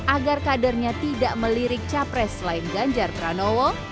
agar kadernya tidak melirik capres selain ganjar pranowo